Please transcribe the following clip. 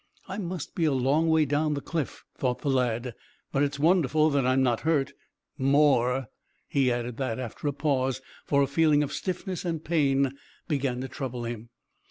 "I must be a long way down the cliff," thought the lad; "but it's wonderful that I'm not hurt more," he added after a pause, for a feeling of stiffness and pain began to trouble him.